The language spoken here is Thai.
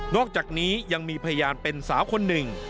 อกจากนี้ยังมีพยานเป็นสาวคนหนึ่ง